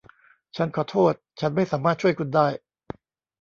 ฉันขอโทษ ฉันไม่สามารถช่วยคุณได้